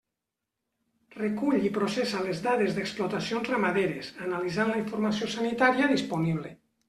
Recull i processa les dades d'explotacions ramaderes, analitzant la informació sanitària disponible.